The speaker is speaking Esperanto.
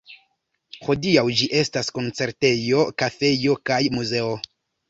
Hodiaŭ ĝi estas koncertejo, kafejo kaj muzeo.